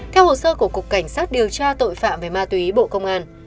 theo hồ sơ của cục cảnh sát điều tra tội phạm về ma túy bộ công an